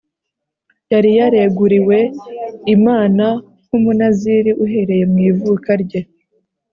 Yari yareguriwe Imana nk’umunaziri uhereye mw’ivuka rye